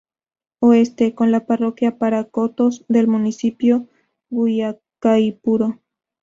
Oeste: Con la parroquia Paracotos, del Municipio Guaicaipuro.